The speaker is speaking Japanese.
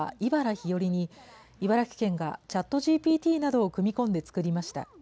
ひよりに、茨城県がＣｈａｔＧＰＴなどを組み込んで作りました。